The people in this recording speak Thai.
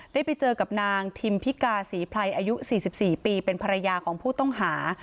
ได้ไปเจอกับนางทิมพิกาศรีไพรอายุ๔๔ปีเป็นภรรยาของผู้ต้องหา